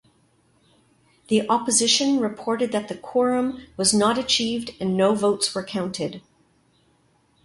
The opposition reported that quorum was not achieved and no votes were counted.